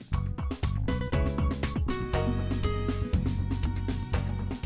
hãy đăng ký kênh để ủng hộ kênh của mình nhé